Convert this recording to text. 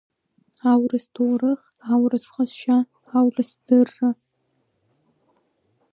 Аурыс ҭоурых, аурыс ҟазшьа, аурыс дырра.